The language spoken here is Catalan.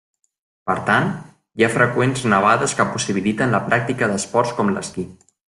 Per tant, hi ha freqüents nevades que possibiliten la pràctica d'esports com l'esquí.